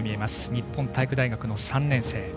日本体育大学の３年生。